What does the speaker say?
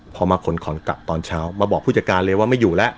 พอมาขนของกลับตอนเช้ามาบอกผู้จัดการเลยว่าไม่อยู่แล้ว